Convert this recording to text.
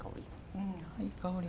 うんいい香り。